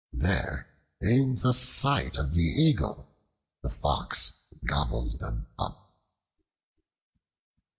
There, in the sight of the Eagle, the Fox gobbled them up.